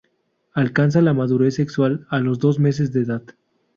Alcanzan la madurez sexual a los dos meses de edad.